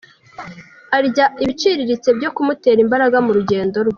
Arya ibiciriritse byo kumutera imbaraga mu rugendo rwe.